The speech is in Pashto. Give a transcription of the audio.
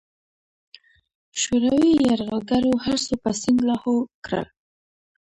شوروي یرغلګرو هرڅه په سیند لاهو کړل.